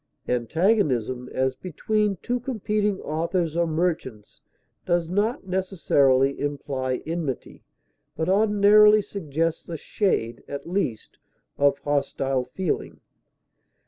Antagonism, as between two competing authors or merchants, does not necessarily imply enmity, but ordinarily suggests a shade, at least, of hostile feeling.